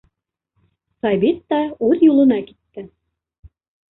Сабит та үҙ юлына китте.